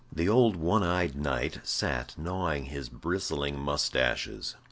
The old one eyed knight sat gnawing his bristling mustaches.